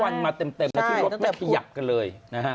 วันมาเต็มแล้วที่รถไม่ขยับกันเลยนะฮะ